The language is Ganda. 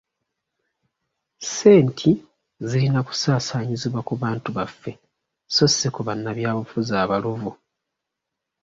Ssenti zirina kusaasaanyizibwa ku bantu baffe so si ku bannabyabufuzi abaluvu.